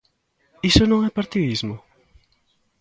¿Iso non é partidismo?